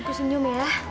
ibu senyum ya